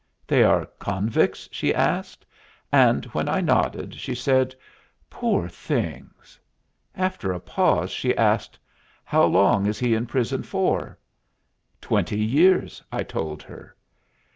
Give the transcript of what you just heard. "They are convicts?" she asked, and when I nodded, she said, "Poor things!" After a pause, she asked, "How long is he in prison for?" "Twenty years," I told her.